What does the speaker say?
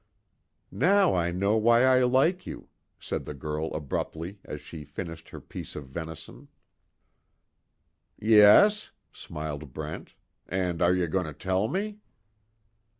"Now, I know why I like you," said the girl, abruptly, as she finished her piece of venison. "Yes?" smiled Brent, "And are you going to tell me?"